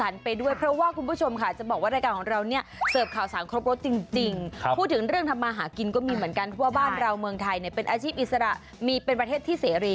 พูดถึงเรื่องทำมาหากินก็มีเหมือนกันเพราะว่าบ้านเราเมืองไทยเนี่ยเป็นอาชีพอิสระมีเป็นประเทศที่เสรี